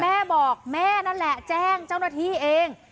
แม่บอกแม่นั่นแหละแจ้งเจ้าหน้าที่เอง